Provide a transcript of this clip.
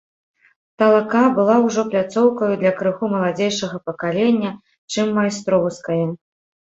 Талака была ўжо пляцоўкаю для крыху маладзейшага пакалення, чым майстроўскае.